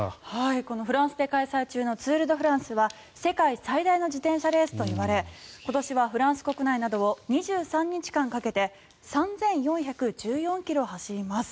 このフランスで開催中のツール・ド・フランスは世界最大の自転車レースといわれ今年はフランス国内などを２３日間かけて３４１４ｋｍ走ります。